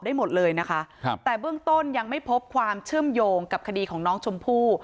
ได้หมดเลยนะคะครับแต่เบื้องต้นยังไม่พบความเชื่อมโยงกับคดีของน้องชมพู่